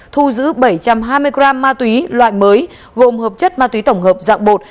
thu giữ bảy trăm hai mươi g ma túy loại mới gồm hợp chất ma túy tổng hợp dạng bột